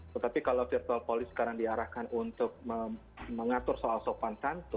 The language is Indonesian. tetapi kalau virtual police sekarang diarahkan untuk mengatur soal sopan santun